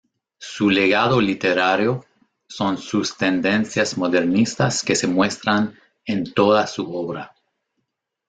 Su legado literario son sus tendencias modernistas que se muestran en toda su obra.